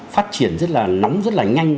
phát triển rất là nóng rất là nhanh